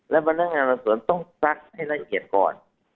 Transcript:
และพนักงานวัยส่วนต้องสักให้รายละเอียดต่อ